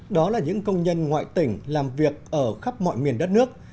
đó là những công nhân ngoại tỉnh làm việc ở khắp mọi miền đất nước